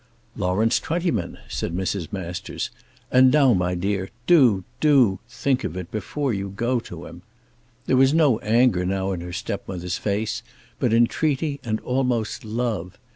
"Lawrence Twentyman," said Mrs. Masters. "And now, my dear, do, do think of it before you go to him." There was no anger now in her stepmother's face, but entreaty and almost love.